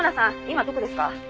今どこですか？」